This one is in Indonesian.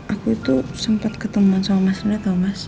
aku itu sempet ketemuan sama mas rina tau mas